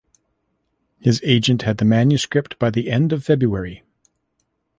His agent had the manuscript by the end of February.